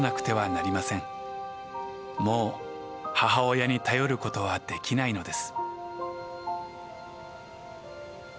もう母親に頼ることはできないのです。